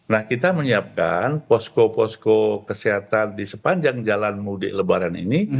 nah kita menyiapkan posko posko kesehatan di sepanjang jalan mudik lebaran ini